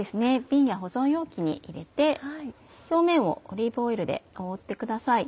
瓶や保存容器に入れて表面をオリーブオイルで覆ってください。